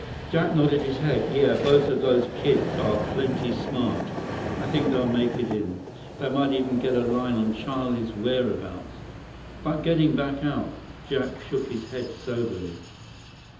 Jack nodded his head. "Yeah. Both of those kids are plenty smart. I think they'll make it in. They might even get a line on Charlie's whereabouts. But getting back out—" Jack shook his head soberly.